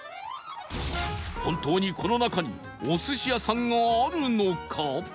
本当にこの中にお寿司屋さんがあるのか？